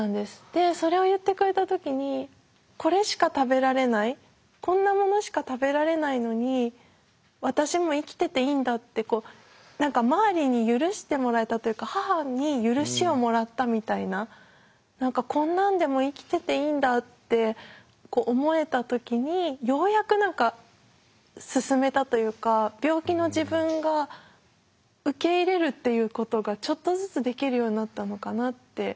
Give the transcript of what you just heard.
でそれを言ってくれた時にこれしか食べられないこんなものしか食べられないのに私も生きてていいんだってこう何か周りに許してもらえたというか母に許しをもらったみたいな何かこんなんでも生きてていいんだって思えた時にようやく何か進めたというか病気の自分が受け入れるっていうことがちょっとずつできるようになったのかなって。